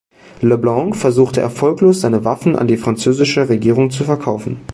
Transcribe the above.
Le Blanc versuchte erfolglos seine Waffen an die französische Regierung zu verkaufen.